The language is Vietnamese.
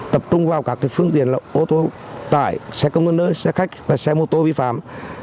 tập trung vào các cái phương tiện là ô tô tải xe công nhân nơi xe khách và xe mô tô vi phạm